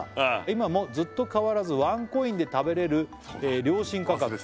今もずっと変わらず」「ワンコインで食べれる良心価格」